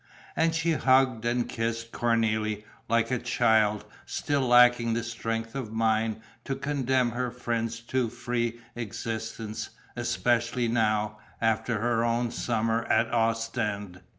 And she hugged and kissed Cornélie, like a child, still lacking the strength of mind to condemn her friend's too free existence, especially now, after her own summer at Ostend.